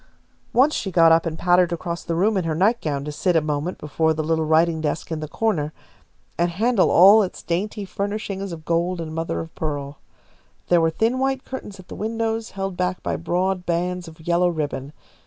Once she got up and pattered across the room in her nightgown to sit a moment before the little writing desk in the corner, and handle all its dainty furnishings of gold and mother of pearl. There were thin white curtains at the windows, held back by broad bands of yellow ribbon.